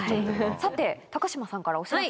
さて高嶋さんからお知らせが。